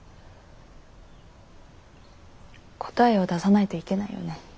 答えを出さないといけないよね。